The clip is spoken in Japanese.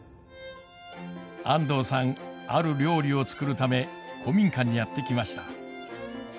安藤さんある料理を作るため古民家にやって来ました。